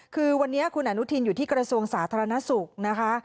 คือวันนี้คุณอนุทินอยู่ที่กระทรวงสาธารณสุขนะคะ